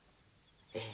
ええ。